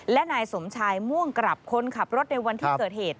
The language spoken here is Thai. และนายสมชายม่วงกลับคนขับรถในวันที่เกิดเหตุ